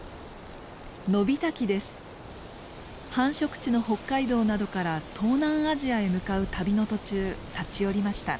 繁殖地の北海道などから東南アジアへ向かう旅の途中立ち寄りました。